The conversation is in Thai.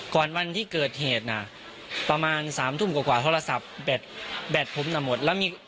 ก่อนวันที่เกิดเหตุน่ะประมาณสามทุ่มกว่าโทรศัพท์แบตผมนั้นหมด